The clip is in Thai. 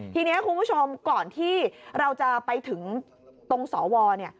ทีนี้คุณผู้ชมก่อนที่เราจะไปถึงตรงสวเนี่ย